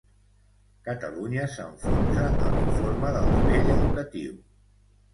Catalunya s'enfonsa a l'informe del nivell educatiu.